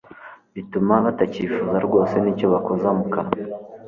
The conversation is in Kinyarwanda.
bituma batakifuza rwose n'icyo bakoza mu kanwa